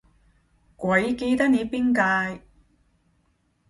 鬼記得你邊屆